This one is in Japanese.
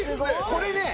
これね